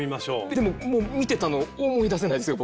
でももう見てたの思い出せないですよ